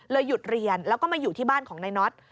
หยุดเรียนแล้วก็มาอยู่ที่บ้านของนายน็อต